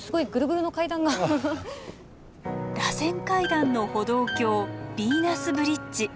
螺旋階段の歩道橋ビーナスブリッジ。